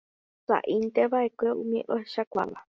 Saʼíntevaʼekue umi ohechakuaáva.